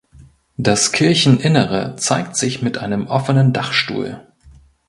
Das Kircheninnere zeigt sich mit einem offenen Dachstuhl.